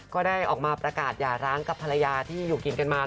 ก็ได้ออกมาประกาศหย่าร้างกับภรรยาที่อยู่กินกันมา